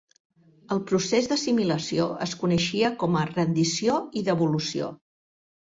El procés d'assimilació es coneixia com a "rendició i devolució".